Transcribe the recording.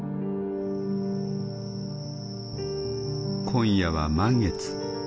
「今夜は満月」。